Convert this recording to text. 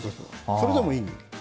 それでもいい。